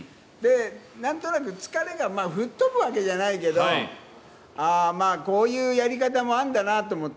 なんとなく疲れが吹っ飛ぶわけじゃないけど、ああ、まあこういうやり方もあんだなと思って。